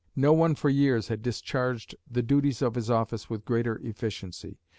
No one for years had discharged the duties of his office with greater efficiency.